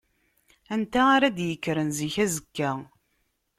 Anta ara d-yekkren zik azekka?